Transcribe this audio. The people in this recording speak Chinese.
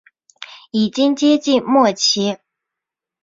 已经接近末期